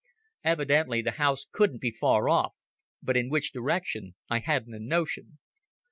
Evidently the house couldn't be far off, but in which direction I hadn't a notion.